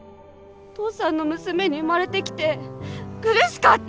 父さんの娘に生まれてきて苦しかった！